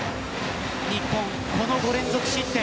日本、この５連続失点。